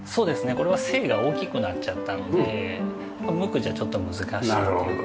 これは背が大きくなっちゃったのでムクじゃちょっと難しいっていう事で。